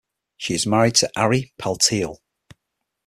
She is married to Ari Paltiel.